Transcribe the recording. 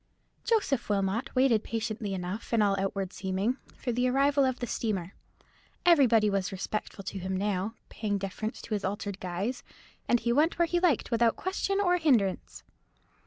Joseph Wilmot waited patiently enough, in all outward seeming, for the arrival of the steamer. Everybody was respectful to him now, paying deference to his altered guise, and he went where he liked without question or hindrance.